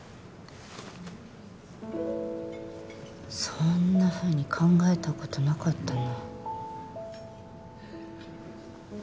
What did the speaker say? そんなふうに考えた事なかったな。